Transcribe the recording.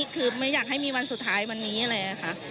คือไม่อยากให้มีวันสุดท้ายวันนี้อะไรอย่างนี้ค่ะ